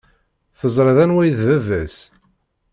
Teẓriḍ anwa i d baba-s?